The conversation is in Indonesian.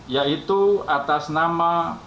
yaitu atas nama